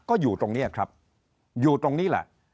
ก็อยู่ตรงนี้ครับอยู่ตรงนี้แหละ